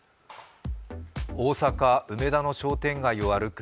大阪・梅田の商店街を歩く